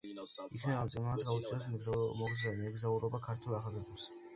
იქნებ, ამ წიგნმაც გაუწიოს მეგზურობა ქართველ ახალგაზრდებს.